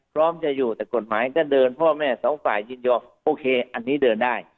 พร้อมจะอยู่แต่กฎหมายก็เดินพ่อแม่สองฝ่ายยินยอมโอเคอันนี้เดินได้